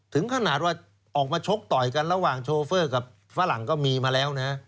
ถึงขนาดว่าออกมาชกต่อยกันระหว่างโชเฟอร์กับฝรั่งก็มีมาแล้วนะ